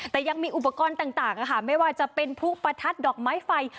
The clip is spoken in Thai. แต่ยังมีอุปกรณ์ต่างไม่ว่าจะเป็นผู้ประทัดดอกไม้ไฟ